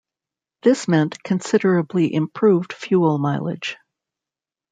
This meant considerably improved fuel mileage.